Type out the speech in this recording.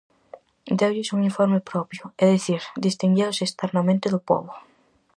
Deulles un uniforme propio, é dicir, distinguíaos externamente do pobo.